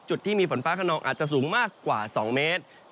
จุดที่มีฝนฟ้าขนองอาจจะสูงมากกว่า๒เมตร